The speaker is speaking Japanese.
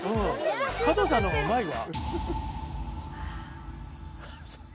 加藤さんのほうがうまいわ。